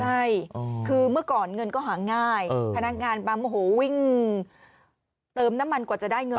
ใช่คือเมื่อก่อนเงินก็หาง่ายพนักงานปั๊มโอ้โหวิ่งเติมน้ำมันกว่าจะได้เงิน